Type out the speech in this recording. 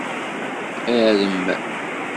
Arem.